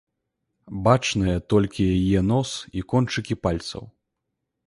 Бачныя толькі яе нос і кончыкі пальцаў.